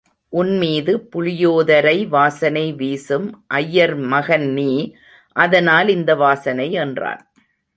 உன் மீது புளியோதரை வாசனை வீசும் அய்யர் மகன் நீ அதனால் இந்த வாசனை என்றான்.